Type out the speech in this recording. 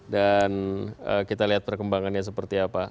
dan kita lihat perkembangannya seperti apa